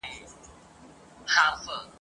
ځواني مي خوب ته راولم جانانه هېر مي نه کې !.